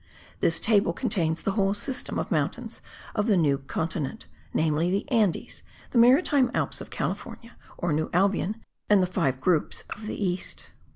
This table contains the whole system of mountains of the New Continent; namely: the Andes, the maritime Alps of California or New Albion and the five groups of the east.